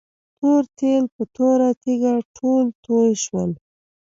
تور تیل په توره تيږه ټول توي شول.